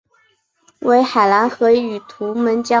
为海兰河与图们江的分水岭。